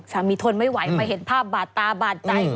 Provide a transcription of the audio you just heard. ทนไม่ไหวมาเห็นภาพบาดตาบาดใจ